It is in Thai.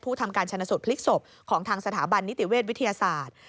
ทำการชนะสูตรพลิกศพของทางสถาบันนิติเวชวิทยาศาสตร์